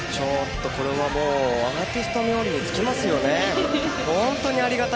これはアーティスト冥利に尽きますよね。